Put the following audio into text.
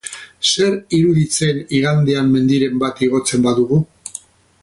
Zer iruditzen igandean mendiren bat igotzen badugu?